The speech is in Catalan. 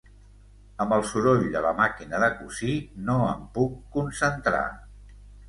Amb el soroll de la màquina de cosir no em puc concentrar...